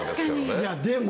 いやでも！